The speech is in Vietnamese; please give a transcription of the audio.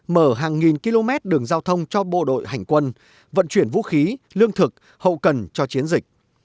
mở hàng nghìn km đường giao thông cho bộ đội hành quân vận chuyển vũ khí lương thực hậu cần cho chiến dịch